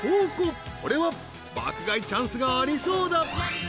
［これは爆買いチャンスがありそうだ］